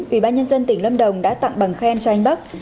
ủy ban nhân dân tỉnh lâm đồng đã tặng bằng khen cho anh bắc